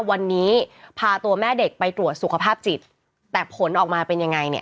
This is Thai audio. วันนี้พาตัวแม่เด็กไปตรวจสุขภาพจิตแต่ผลออกมาเป็นยังไงเนี่ย